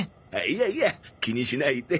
いやいや気にしないで。